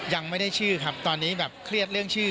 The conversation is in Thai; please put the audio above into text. ยังไม่ได้ชื่อครับตอนนี้แบบเครียดเรื่องชื่อ